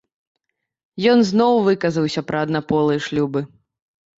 Ён зноў выказаўся пра аднаполыя шлюбы.